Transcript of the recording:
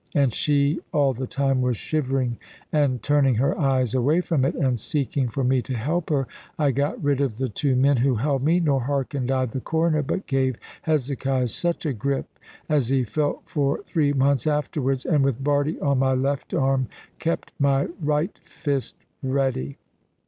and she all the time was shivering and turning her eyes away from it, and seeking for me to help her, I got rid of the two men who held me, nor hearkened I the Coroner, but gave Hezekiah such a grip as he felt for three months afterwards, and with Bardie on my left arm, kept my right fist ready.